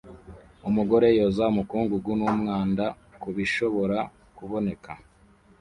Umugore yoza umukungugu n'umwanda kubishobora kuboneka